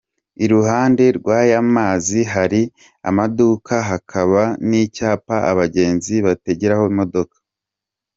Iruhande rw’aya mazi hari amaduka, hakaba n’icyapa abagenzi bategeraho imodoka.